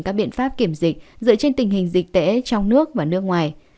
các biện pháp kiểm dịch dựa trên tình hình dịch tễ trong nước và nước ngoài